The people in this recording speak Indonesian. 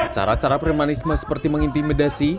cara cara premanisme seperti mengintimidasi